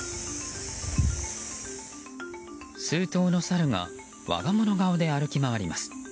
数頭のサルが我が物顔で歩き回ります。